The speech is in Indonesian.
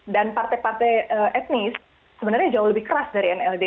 dan partai partai etnis sebenarnya jauh lebih keras dari nld